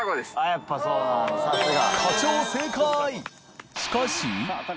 やっぱそうなんださすが。